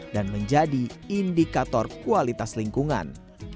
dan menjadi indikator kualitas lingkungan